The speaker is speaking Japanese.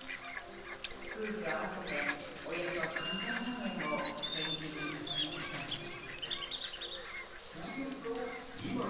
夫婦合わせておよそ３０００万円を献金に捧げたそうです。